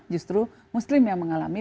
justru muslim yang mengalami